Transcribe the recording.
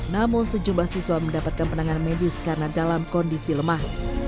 namun sejumlah siswa mendapatkan penanganan medis karena dalam kondisi lemah